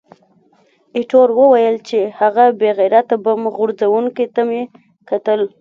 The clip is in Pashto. ایټور وویل چې، هغه بې غیرته بم غورځوونکي ته مې کتل.